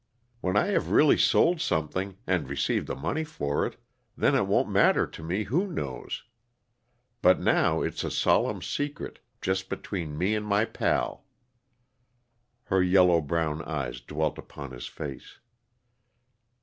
When I have really sold something, and received the money for it, then it won't matter to me who knows. But now it's a solemn secret, just between me and my pal." Her yellow brown eyes dwelt upon his face.